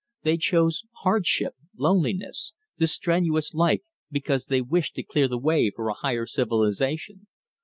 They chose hardship, loneliness, the strenuous life because they wished to clear the way for a higher civilization.